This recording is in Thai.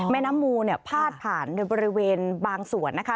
น้ำมูเนี่ยพาดผ่านในบริเวณบางส่วนนะคะ